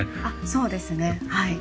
そうですねはい。